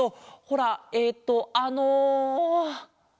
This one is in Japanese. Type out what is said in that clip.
ほらえっとあの。